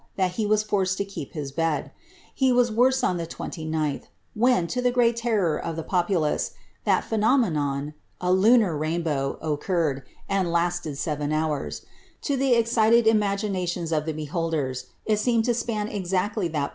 that he was forced lo keep hit bed He was wone on the 29lh, when, to the great terror of the popolan. ihal phenornB*"^" a lunar rainbow, occurred, and lasted seven houn; in tlie excited ations oAbe beholders, il seemed to span exactly iht!